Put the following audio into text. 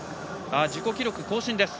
自己記録更新です。